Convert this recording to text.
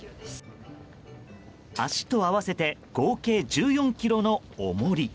足と合わせて合計１４ｋｇの重り。